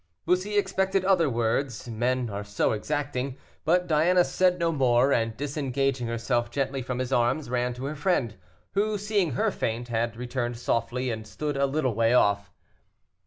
Bussy expected other words, men are so exacting, but Diana said no more, and, disengaging herself gently from his arms, ran to her friend, who, seeing her faint, had returned softly, and stood a little way off.